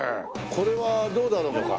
これはどうだろうか？